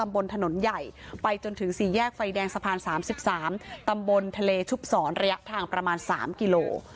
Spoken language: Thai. บนถนนใหญ่ไปจนถึงสี่แยกไฟแดงสะพานสามสิบสามตำบลทะเลชุบสอนระยะทางประมาณสามกิโล